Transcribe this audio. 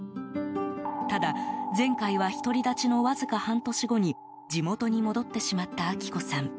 ただ、前回は独り立ちのわずか半年後に地元に戻ってしまった明子さん。